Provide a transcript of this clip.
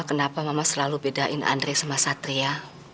kenapa mama selalu bedain andre sama satria